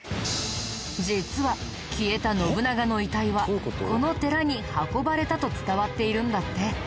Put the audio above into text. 実は消えた信長の遺体はこの寺に運ばれたと伝わっているんだって。